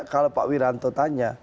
kalau pak wiranto tanya